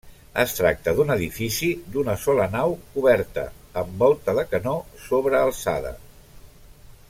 Es tracta d'un edifici d'una sola nau coberta amb volta de canó sobrealçada.